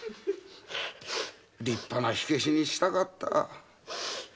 立派な火消しにしたかった。